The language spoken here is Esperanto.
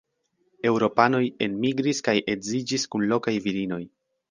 Eŭropanoj enmigris kaj edziĝis kun lokaj virinoj.